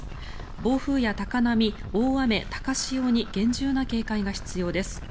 暴風や高波、大雨、高潮に厳重な警戒が必要です。